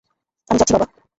আমি যাচ্ছি, বাবা।